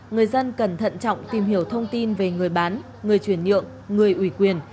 người dân cần thận trọng tìm hiểu thông tin về người bán người chuyển nhượng người ủy quyền